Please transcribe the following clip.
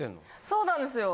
そうなんですよ。